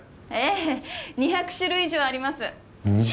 ええ２００種類以上あります。